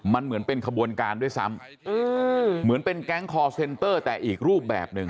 มันเหมือนเป็นขบวนการด้วยซ้ำเหมือนเป็นแก๊งคอร์เซ็นเตอร์แต่อีกรูปแบบหนึ่ง